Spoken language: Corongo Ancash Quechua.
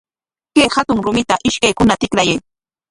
Kay hatun rumita ishkaykikuna tikrayay.